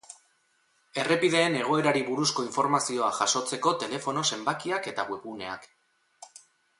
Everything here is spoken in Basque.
Errepideen egoerari buruzko informazioa jasotzeko telefono zenbakiak eta webguneak.